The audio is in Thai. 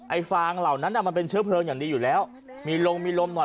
ฟางเหล่านั้นอ่ะมันเป็นเชื้อเพลิงอย่างดีอยู่แล้วมีลมมีลมหน่อย